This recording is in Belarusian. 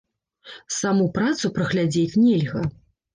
Саму працу праглядзець нельга.